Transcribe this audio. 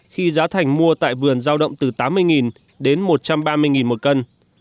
khi giá thành mua tại vườn giao động từ tám mươi đến một trăm ba mươi một cân